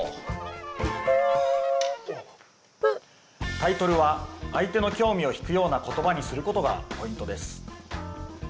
タイトルは相手の興味をひくようなことばにすることがポイントです。